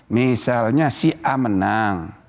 misalnya si a menang